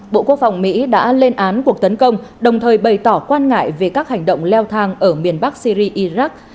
bộ quốc phòng mỹ đã lên án cuộc tấn công đồng thời bày tỏ quan ngại về các hành động leo thang ở miền bắc syri iraq